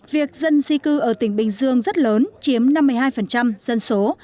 việc dân di cư ở tỉnh bình dương rất lớn chiếm năm mươi hai dân số